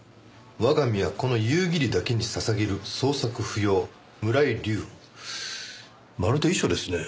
「我が身はこの夕霧岳に捧げる」「捜索不要村井流雲」まるで遺書ですね。